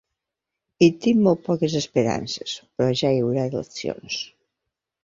Hi tinc molt poques esperances, però ja hi haurà eleccions.